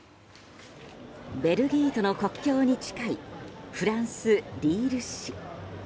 ベルギーとの国境に近いフランス・リール市。